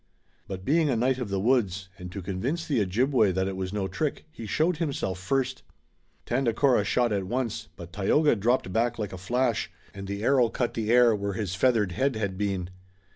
But being a knight of the woods, and to convince the Ojibway that it was no trick, he showed himself first. Tandakora shot at once, but Tayoga dropped back like a flash, and the arrow cut the air, where his feathered head had been.